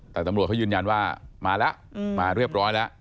แต่ตำรวจเขายืนยันว่ามาแล้วมาเรียบร้อยแล้ว